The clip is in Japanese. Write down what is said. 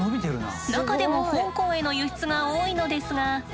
中でも香港への輸出が多いのですが。